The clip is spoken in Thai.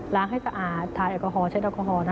ล้างให้สะอาดทายแอลกอฮอล์เช็ดแอลกอฮอล์